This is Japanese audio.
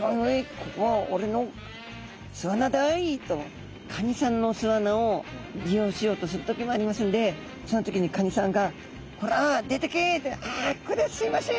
ここは俺の巣穴だい」とカニさんの巣穴を利用しようとする時もありますんでその時にカニさんが「こら出てけ！」って「あこりゃすいません！」